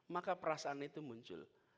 maka perasaan itu muncul